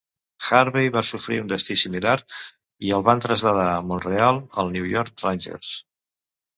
Harvey va sofrir un destí similar i el van traslladar de Montreal als New York Rangers.